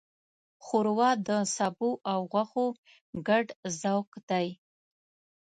ښوروا د سبو او غوښو ګډ ذوق دی.